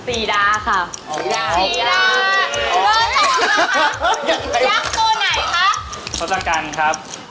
เอกหน้าจักษินค่ะ